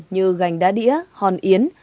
như gành đá đĩa hòn yến